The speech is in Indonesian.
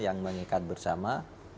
yang mengikat bersama